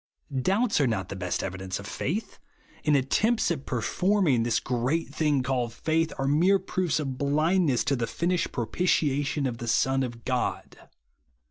Doubts are not the best evidence of faith ; and attempts at performing this gTeat thing called faith are mere proofs of blindness to the finished pro^Ditiation of the Son of God.